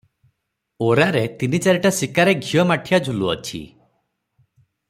ଓରାରେ ତିନି ଚାରିଟା ଶିକାରେ ଘିଅ ମାଠିଆ ଝୁଲୁଅଛି ।